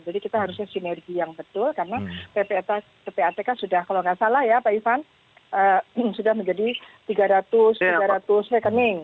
jadi kita harusnya sinergi yang betul karena ppatk sudah kalau tidak salah ya pak ivan sudah menjadi tiga ratus rekening